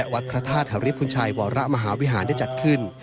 วัดพระธาตุธริพุนชัยวรมหาวิหารได้จัดขึ้น